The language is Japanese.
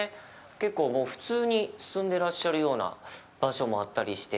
結構普通に住んでらっしゃるような場所もあったりして。